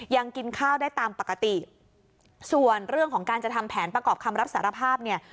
ยังกินข้าวได้ตามปกติส่วนเรื่องของการจะทำแผนประกอบคำรับสารภาพเนี่ย